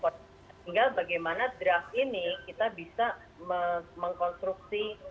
sehingga bagaimana draft ini kita bisa mengkonstruksi